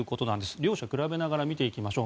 両者を比べながら見ていきましょう。